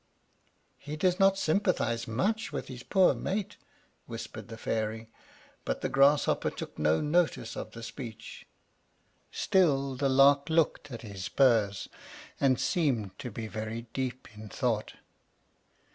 "He does not sympathize much with his poor mate," whispered the Fairy; but the Grasshopper took no notice of the speech. Still the Lark looked at his spurs, and seemed to be very deep in thought.